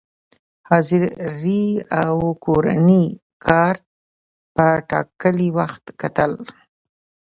حاضري او کورني کار په ټاکلي وخت کتل،